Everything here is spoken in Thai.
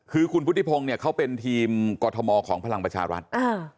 คือคุณพุทธิพงศ์เนี่ยเขาเป็นทีมกรทมของพลังประชารัฐอ่า